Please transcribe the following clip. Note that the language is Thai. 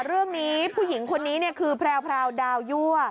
เรื่องนี้ผู้หญิงคนนี้คือแพรวดาวยั่ว